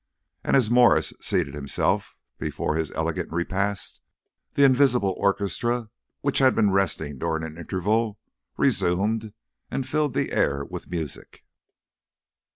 And as Mwres seated himself before his elegant repast, the invisible orchestra, which had been resting during an interval, resumed and filled the air with music.